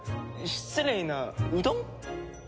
失礼なうどん？